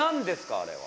あれは。